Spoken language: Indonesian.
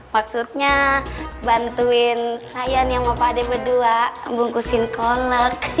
maksudnya bantuin sayang sama pak deng berdua bungkusin kolek